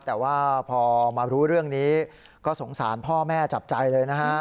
แต่ว่าพอมารู้เรื่องนี้ก็สงสารพ่อแม่จับใจเลยนะฮะ